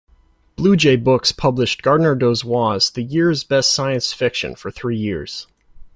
Bluejay Books published Gardner Dozois's "The Year's Best Science Fiction" for three years.